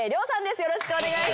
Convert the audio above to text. よろしくお願いします。